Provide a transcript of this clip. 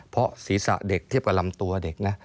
เพราะศีรษะเด็กเทียบกับลำตัวเด็กนะ